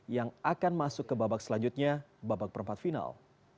yang akan masuk ke babak selanjutnya babak perempat final